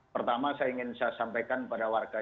pertama saya ingin saya sampaikan pada warga jakarta